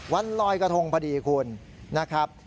วันลอยกระทงพอดีคุณนะครับ